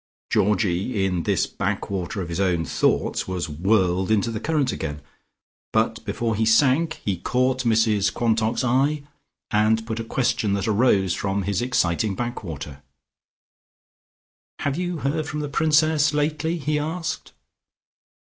Georgie in this backwater of his own thoughts was whirled into the current again. But before he sank he caught Mrs Quantock's eye and put a question that arose from his exciting backwater. "Have you heard from the Princess lately?" he asked.